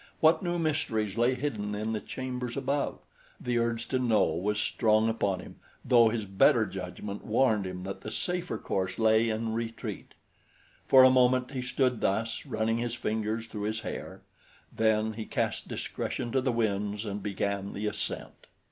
What new mysteries lay hidden in the chambers above? The urge to know was strong upon him though his better judgment warned him that the safer course lay in retreat. For a moment he stood thus, running his fingers through his hair; then he cast discretion to the winds and began the ascent.